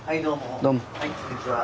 はいこんにちは。